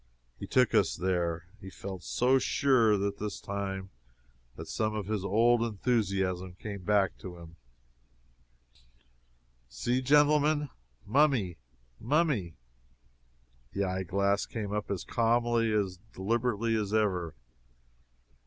He took us there. He felt so sure, this time, that some of his old enthusiasm came back to him: "See, genteelmen! Mummy! Mummy!" The eye glass came up as calmly, as deliberately as ever.